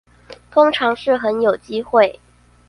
通常是很有機會